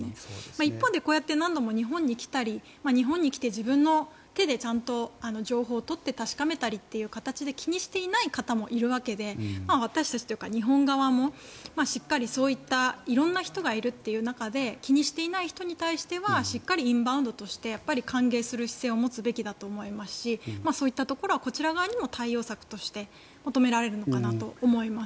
一方でこうやって何度も日本に来たり日本に来て自分の手でちゃんと情報を取って確かめたりっていう形で気にしていない方もいるわけで日本側もしっかりそういった色んな人がいるという中で気にしていない人に対してはしっかりインバウンドとして歓迎する姿勢を持つべきだと思いますしそういったところはこちら側にも、対応策として求められるのかなと思います。